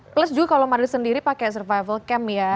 terus juga kalau marlies sendiri pakai survival camp ya